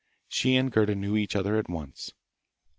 She and Gerda knew each other at once.